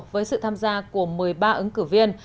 với sự tham gia của một mươi ba ứng cử viên